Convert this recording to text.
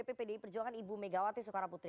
pdi perjuangan ibu megawati soekarnoputri